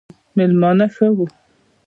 مېلمانه ښه وو